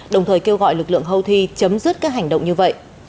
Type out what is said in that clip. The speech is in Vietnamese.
đồng thời kêu gọi lực lượng houthi chấm dứt các hành động như vậy